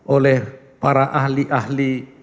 oleh para ahli ahli